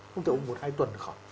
không thể uống một hai tuần khỏi